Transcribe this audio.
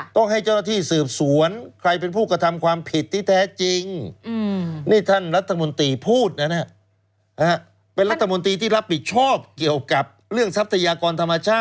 ต้องให้เจ้าหน้าที่สืบสวน